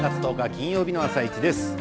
金曜日の「あさイチ」です。